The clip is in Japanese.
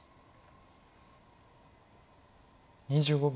２５秒。